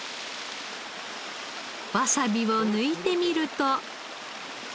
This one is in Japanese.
わさびを抜いてみると。